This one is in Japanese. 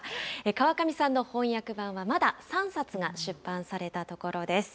川上さんの翻訳版はまだ３冊が出版されたところです。